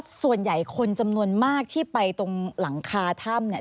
ส่วนใหญ่คนจำนวนมากที่ไปตรงหลังคาถ้ำเนี่ย